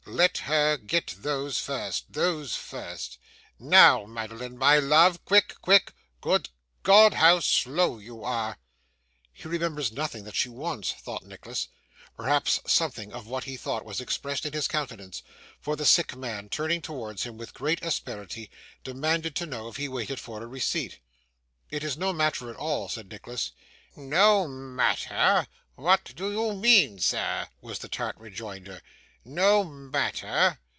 Let her get those first, those first. Now, Madeline, my love, quick, quick! Good God, how slow you are!' 'He remembers nothing that SHE wants!' thought Nicholas. Perhaps something of what he thought was expressed in his countenance, for the sick man, turning towards him with great asperity, demanded to know if he waited for a receipt. 'It is no matter at all,' said Nicholas. 'No matter! what do you mean, sir?' was the tart rejoinder. 'No matter!